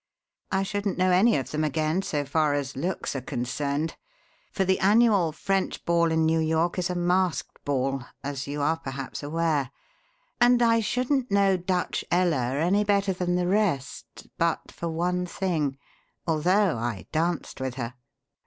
I shouldn't know any of them again, so far as looks are concerned, for the annual French Ball in New York is a masked ball, as you are, perhaps, aware; and I shouldn't know 'Dutch Ella' any better than the rest, but for one thing although I danced with her."